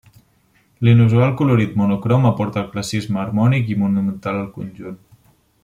L'inusual colorit monocrom aporta al classisme harmònic i monumental al conjunt.